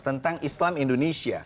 tentang islam indonesia